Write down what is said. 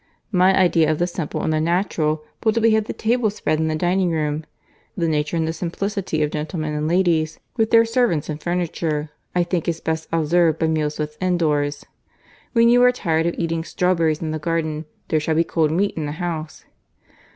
My idea of the simple and the natural will be to have the table spread in the dining room. The nature and the simplicity of gentlemen and ladies, with their servants and furniture, I think is best observed by meals within doors. When you are tired of eating strawberries in the garden, there shall be cold meat in the house."